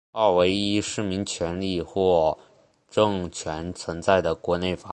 二为依市民权利或政权存在的国内法。